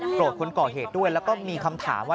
คนก่อเหตุด้วยแล้วก็มีคำถามว่า